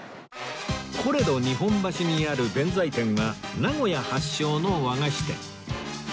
コレド日本橋にある弁才天は名古屋発祥の和菓子店